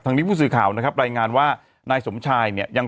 นี้ผู้สื่อข่าวนะครับรายงานว่านายสมชายเนี่ยยัง